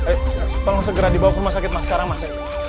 eh tolong segera dibawa ke rumah sakit mas sekarang mas